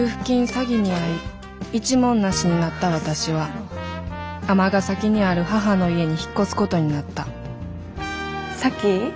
詐欺に遭い一文無しになった私は尼崎にある母の家に引っ越すことになった咲妃？